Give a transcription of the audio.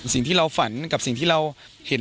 สิ่งที่เราฝันกับสิ่งที่เราเห็น